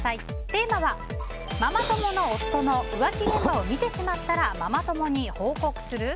テーマはママ友の夫の浮気現場を見てしまったらママ友に報告する？